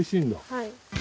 はい。